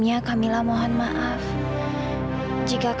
aku tidak tahu kak